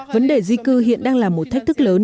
vấn đề di cư hiện đang là một thách thức lớn